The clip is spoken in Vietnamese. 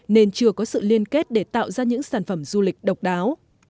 nên chưa có sự liên kết để tạo ra những sản phẩm du lịch độc đáo